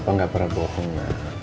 papa gak pernah bohong